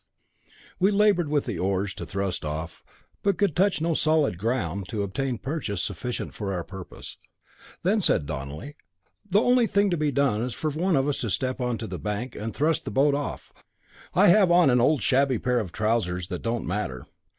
We laboured with the oars to thrust off, but could touch no solid ground, to obtain purchase sufficient for our purpose. Then said Donelly: "The only thing to be done is for one of us to step onto the bank and thrust the boat off. I will do that. I have on an old shabby pair of trousers that don't matter."